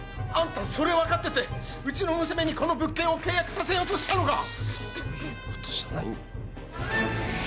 あんたそれ分かっててうちの娘にこの物件を契約させようとしたのか！